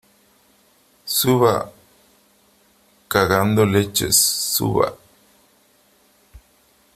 suba , cagando leches .¡ suba !